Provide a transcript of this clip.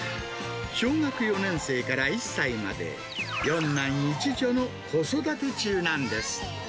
小学４年生から１歳まで、４男１女の子育て中なんです。